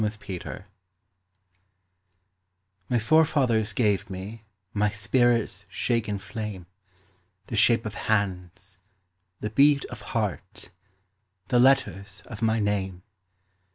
Driftwood My forefathers gave me My spirit's shaken flame, The shape of hands, the beat of heart, The letters of my name.